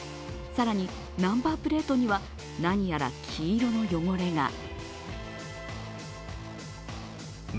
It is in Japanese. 更にナンバープレートには何やら黄色の汚れが。